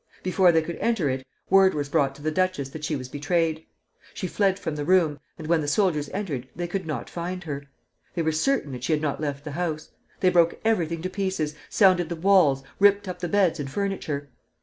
Before they could enter it, word was brought to the duchess that she was betrayed. She fled from the room, and when the soldiers entered they could not find her. They were certain that she had not left the house. They broke everything to pieces, sounded the walls, ripped up the beds and furniture.